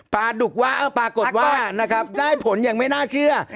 ปาร์ดุกว่าปาร์กดว่าได้ผลอย่างไม่น่าเชื่อ